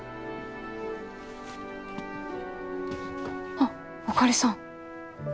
あっあかりさん。